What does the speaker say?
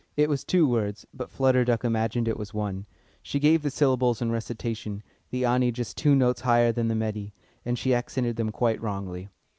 It was two words, but Flutter Duck imagined it was one. She gave the syllables in recitative, the âni just two notes higher than the médi, and she accented them quite wrongly.